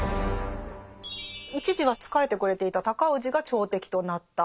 一時は仕えてくれていた尊氏が朝敵となった。